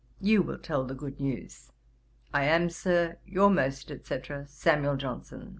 You will tell the good news. 'I am, Sir, 'Your most, &c. 'SAM. JOHNSON.'